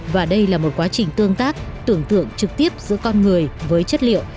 và đây là một quá trình tương tác tưởng tượng trực tiếp giữa con người với chất liệu